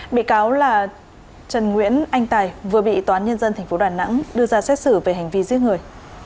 bị cáo là trần nguyễn anh tài vừa bị toán nhân dân tp đà nẵng đưa ra xét xử về hành vi giết người